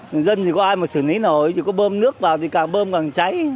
những dân thì có ai mà xử lý nổi chỉ có bơm nước vào thì càng bơm càng cháy